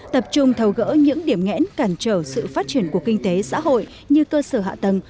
tập trung thầu gỡ những điểm ngẽn cản trở sự phát triển của kinh tế xã hội như cơ sở hạ tầng